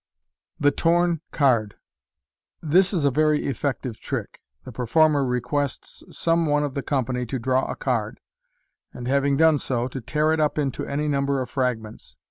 The "Torn Card." — This is a very effective trick. The per former requests some one of the company to draw a card, and, having done so, to tear it up into any number of fragments.